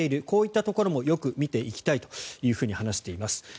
こういったところもよく見ていきたいと話しています。